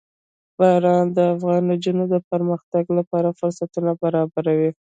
باران د افغان نجونو د پرمختګ لپاره فرصتونه برابروي.